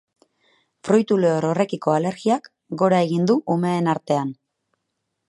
Fruitu lehor horrekiko alergiak gora egin du umeen artean.